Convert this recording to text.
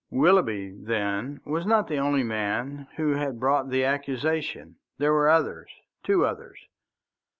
Willoughby, then, was not the only man who had brought the accusation; there were others two others.